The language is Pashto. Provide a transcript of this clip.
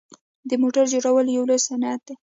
د موټرو جوړول یو لوی صنعت دی.